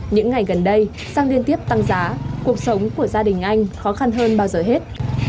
những ngày gần đây sang liên tiếp tăng giá cuộc sống của gia đình anh khó khăn hơn bao giờ hết